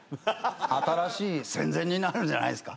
新しい戦前になるんじゃないっすか？